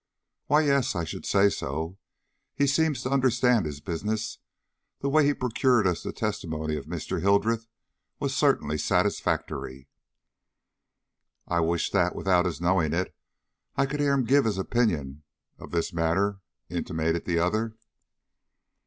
"Why, yes, I should say so. He seems to understand his business. The way he procured us the testimony of Mr. Hildreth was certainly satisfactory." "I wish that, without his knowing it, I could hear him give his opinion of this matter," intimated the other.